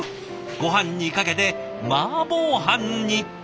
ごはんにかけてマーボー飯に。